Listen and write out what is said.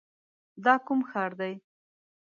دا کوم ښار دی؟